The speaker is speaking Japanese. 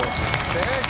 正解！